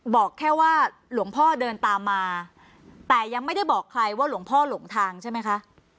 บอกแค่ว่าหลวงพ่อเดินตามมาแต่ยังไม่ได้บอกใครว่าหลวงพ่อหลงทางใช่ไหมคะ